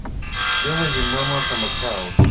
There was a murmur from the crowd.